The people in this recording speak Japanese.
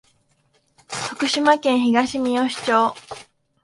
徳島県東みよし町